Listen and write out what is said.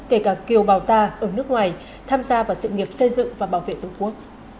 kể cả kiều bào ta ở nước ngoài tham gia vào sự nghiệp xây dựng và bảo vệ tổ quốc